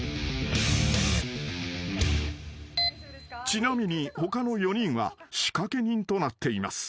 ［ちなみに他の４人は仕掛け人となっています］